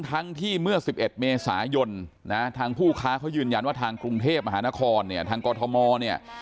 ทั้งที่เมื่อ๑๑เมษายนนะทางผู้ค้าเขายืนยันว่าทางกรุงเทพมหานครเนี่ยทางกรทมเนี่ย